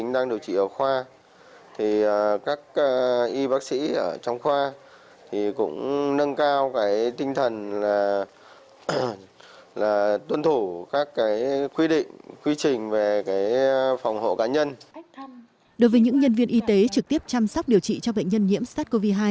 đối với những nhân viên y tế trực tiếp chăm sóc điều trị cho bệnh nhân nhiễm sars cov hai